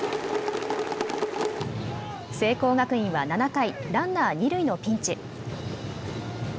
聖光学院は７回、ランナー二塁のピンチ。